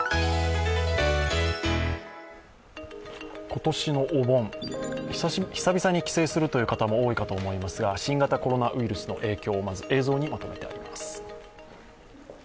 今年のお盆、久々に帰省するという方も多いかと思いますが新型コロナウイルスの影響をまず映像にまとめてあります。